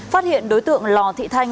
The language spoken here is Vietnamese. phát hiện đối tượng lò thị thanh